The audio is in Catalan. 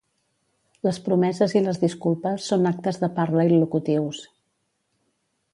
Les promeses i les disculpes són actes de parla il·locutius.